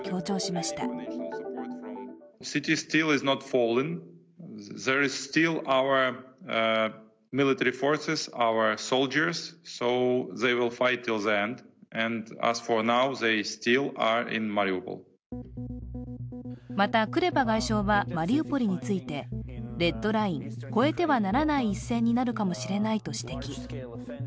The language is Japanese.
また、クレバ外相はマリウポリについいてレッドライン＝越えてはならない一線になるかもしれないと指摘。